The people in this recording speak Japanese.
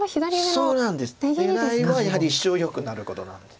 そうなんです狙いはやはりシチョウよくなることなんです。